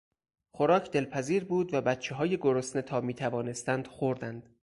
خوراک دلپذیر بود و بچههای گرسنه تا میتوانستند خوردند.